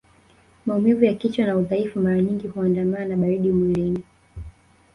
Maumivu ya kichwa na udhaifu mara nyingi huandamana na baridi mwilini